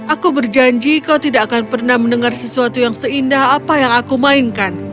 aku berjanji kau tidak akan pernah mendengar sesuatu yang seindah apa yang aku mainkan